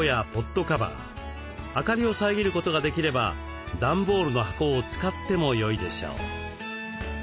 明かりを遮ることができれば段ボールの箱を使ってもよいでしょう。